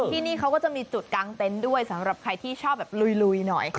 ที่นี่เขาก็จะมีจุดกางเต็นต์ด้วยสำหรับใครที่ชอบแบบลุยหน่อย